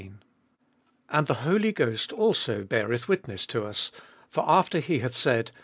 15. And the Holy Ghost also beareth witness to us: for after he hath said, 16.